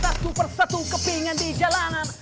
kita satu persatu kepingin di jalanan